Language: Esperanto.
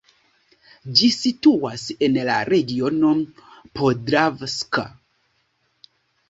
Ĝi situas en la Regiono Podravska.